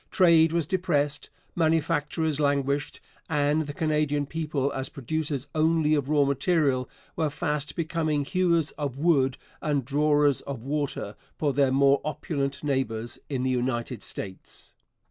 Trade was depressed, manufactures languished, and the Canadian people as producers only of raw material were fast becoming hewers of wood and drawers of water for their more opulent neighbours in the United States.